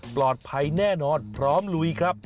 ปลอดภัยแน่นอนพร้อมลุยครับ